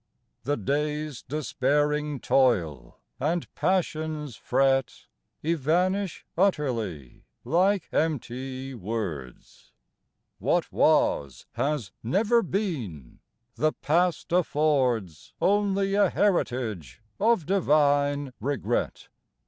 The day's despairing toil and passion's fret Evanish utterly like empty words; What was has never been ; the past affords Only a heritage of divine regret.